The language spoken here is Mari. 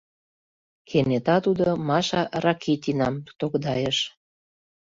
Кенета тудо Маша Ракитинам тогдайыш.